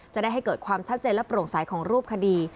จะได้ให้เกิดความชัดเจนและโปร่งใสของรูปคดี